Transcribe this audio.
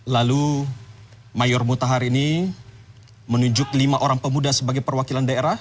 lalu mayor mutahar ini menunjuk lima orang pemuda sebagai perwakilan daerah